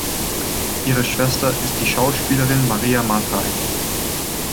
Ihre Schwester ist die Schauspielerin Maria Matray.